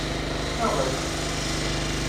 Aɣet!